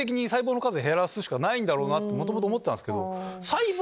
元々思ってたんすけど。